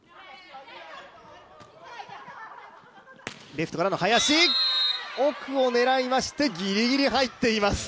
レフトからの林、奥を狙いましてぎりぎり入っています。